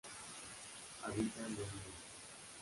Habita en Bolivia.